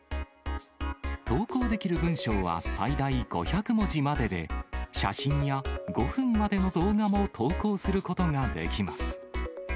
投稿できる文章は最大５００文字までで、写真や５分までの動画も投稿することができます。